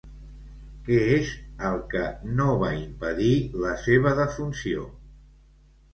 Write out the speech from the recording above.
Què és el que no va impedir la seva defunció?